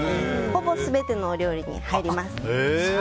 ほぼ全てのお料理に入ります。